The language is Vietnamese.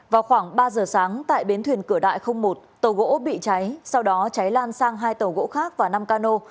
vào khoảng ba giờ sáng tại bến thuyền cửa đại một tàu gỗ bị cháy sau đó cháy lan sang hai tàu gỗ khác và năm cano